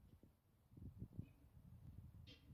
weka maji na kukoroga iliupate uji